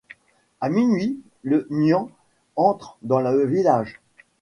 A minuit, le nian entre dans le village.